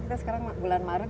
kita sekarang bulan maret